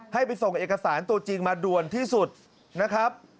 ให้ไปส่งเอกสารตัวจริงมาด่วนที่สุดนะครับ